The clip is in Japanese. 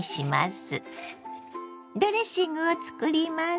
ドレッシングを作ります。